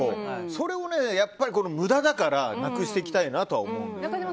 それを、やっぱり無駄だからなくしていきたいなとは思う。